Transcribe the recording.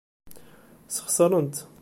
Sxeṣrent-t.